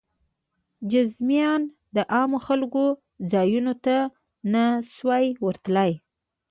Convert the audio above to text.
جذامیان د عامو خلکو ځایونو ته نه شوای ورتلی.